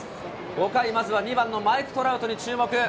５回、まずは２番のマイク・トラウトに注目。